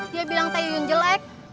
dia bilang teh iyun jelek